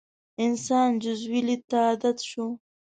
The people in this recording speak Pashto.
انسان جزوي لید ته عادت شو.